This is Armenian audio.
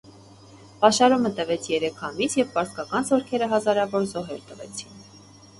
Պաշարումը տևեց երեք ամիս և պարսկական զորքերը հազարավոր զոհեր տվեցին։